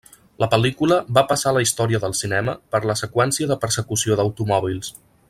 La pel·lícula va passar a la història del cinema per la seqüència de persecució d'automòbils.